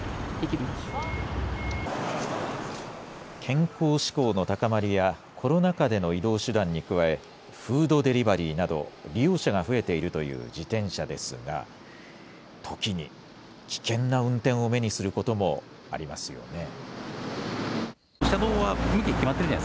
健康志向の高まりや、コロナ禍での移動手段に加え、フードデリバリーなど利用者が増えているという自転車ですが、時に危険な運転を目にすることもありますよね。